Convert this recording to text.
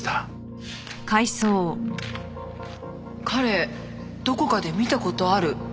彼どこかで見た事ある。